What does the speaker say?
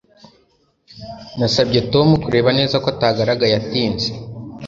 Nasabye Tom kureba neza ko atagaragaye atinze